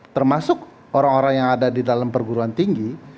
termasuk orang orang yang ada di dalam perguruan tinggi